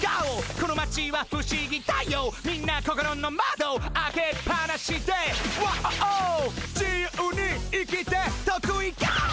「この町は不思議だよみんな心のまど開けっぱなしでワオ」「自由に生きて得意がお」